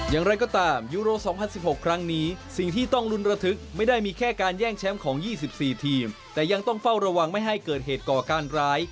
อย่างไรก็ตามยูโร๒๐๑๖ครั้งนี้สิ่งที่ต้องลุ้นระทึกไม่ได้มีแค่การแย่งแชมป์ของ๒๔ทีมแต่ยังต้องเฝ้าระวังไม่ให้เกิดเหตุก่อการร้าย